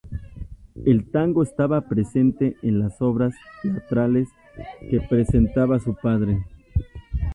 El tango estaba presente en las obras teatrales que representaba su padre.